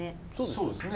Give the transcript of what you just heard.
そうですね。